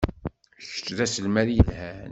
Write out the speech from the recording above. Kečč d aselmad yelhan.